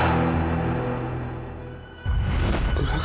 aku bisa menghasilkannya